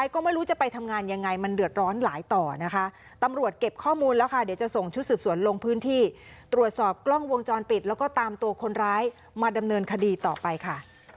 คนร้ายมาดำเนินคดีต่อไปค่ะ